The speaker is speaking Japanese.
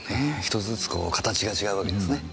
１つずつ形が違うわけですね。